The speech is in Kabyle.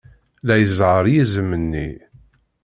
La izehher yizem-nni.